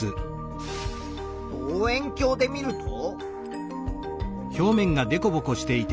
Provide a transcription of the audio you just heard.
望遠鏡で見ると。